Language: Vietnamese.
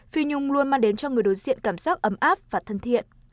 phi nhung luôn mang đến cho người đối diện cảm giác ấm áp và thân thiện